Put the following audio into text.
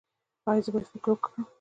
ایا زه باید فکر وکړم؟